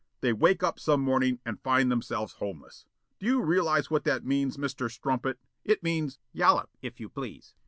they wake up some mornin' and find themselves homeless. Do you realize what that means, Mr. Strumpet? It means " "Yollop, if you please."